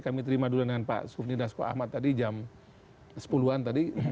kami terima duluan dengan pak sufni dasko ahmad tadi jam sepuluh an tadi